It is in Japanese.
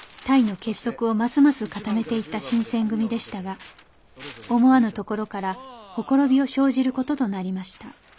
隊の結束をますます固めていった新選組でしたが思わぬところからほころびを生じる事となりました